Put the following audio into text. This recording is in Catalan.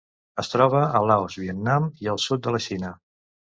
Es troba a Laos, Vietnam i el sud de la Xina.